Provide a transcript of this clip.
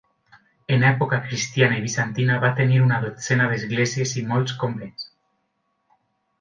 En època cristiana i bizantina va tenir una dotzena d'esglésies i molts convents.